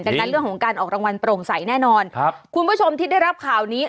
ดังนั้นเรื่องของการออกรางวัลโปร่งใสแน่นอนครับคุณผู้ชมที่ได้รับข่าวนี้